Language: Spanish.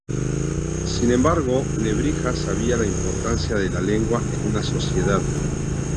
Sin embargo, Nebrija sabía la importancia de la lengua en una sociedad.